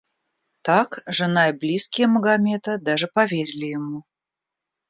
Так, жена и близкие Магомета даже поверили ему.